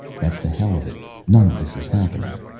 "That's the hell of it. None of this is happening.